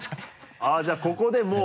じゃあここでもう。